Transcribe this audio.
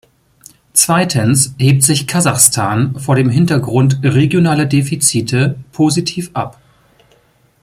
Zweitens hebt sich Kasachstan vor dem Hintergrund regionaler Defizite positiv ab.